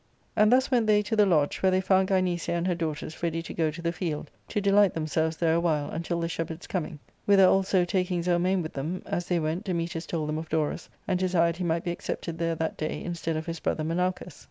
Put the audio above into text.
And thus went they to the lodge, where they found Gynecia and her daughters ready to go to the field, to delight themselves there a while until the shepherds' coming ;^ whither also taking Zelmane with them, as they went^ Dametas told them of Dorus, and desired he might be ac cepted there that day in stead of his brother Menalcas.